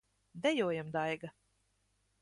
Dejojam, Daiga!